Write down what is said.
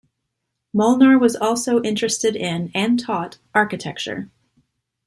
Molnar was also interested in, and taught, architecture.